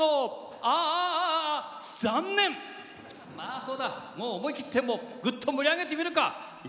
ああ残念思い切ってぐっと盛り上げてみるか。